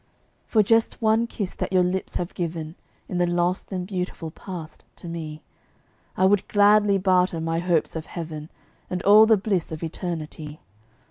For just one kiss that your lips have given In the lost and beautiful past to me I would gladly barter my hopes of Heaven And all the bliss of Eternity.